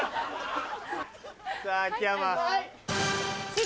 さぁ秋山。